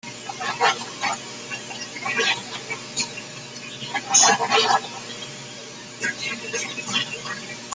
Existen actualmente tres versiones.